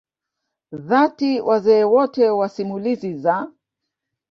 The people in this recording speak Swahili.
dhati wazee wote wa simulizi za